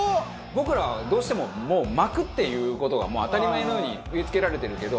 僕らはどうしてももう巻くっていう事がもう当たり前のように植え付けられてるけど。